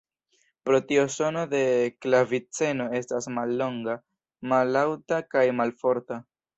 Pro tio sono de klaviceno estas mallonga, mallaŭta kaj malforta.